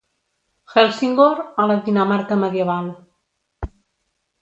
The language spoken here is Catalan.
Helsingør, a la Dinamarca medieval.